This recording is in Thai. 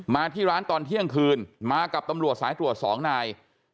มาที่ร้านตอนเที่ยงคืนมากับตำรวจสายตรวจ๒นาย